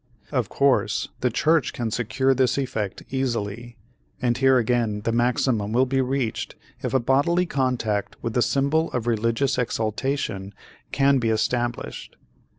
Of course, the church can secure this effect easily, and here again the maximum will be reached if a bodily contact with the symbol of religious exaltation can be established.